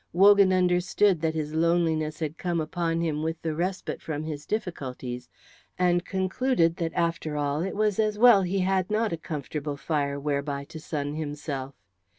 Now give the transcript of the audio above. Wogan understood that his loneliness came upon him with the respite from his difficulties, and concluded that, after all, it was as well that he had not a comfortable fireside whereby to sun himself.